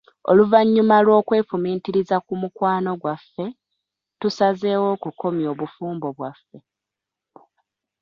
Oluvannyuma lw'okwefumiitiriza ku mukwano gwaffe, tusazeewo okukomya obufumbo bwaffe.